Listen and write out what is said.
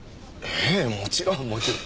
ええもちろんもちろん。